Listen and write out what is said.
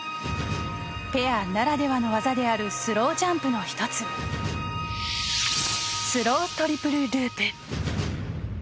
ペアならではの技であるスロウジャンプの１つスロートリプルループ。